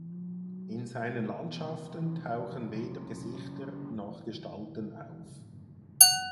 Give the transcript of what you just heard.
In seinen Landschaften tauchen weder Gesichter noch Gestalten auf.